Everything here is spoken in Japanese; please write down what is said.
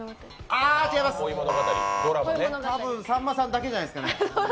あ、違います多分さんまさんだけじゃないですかね。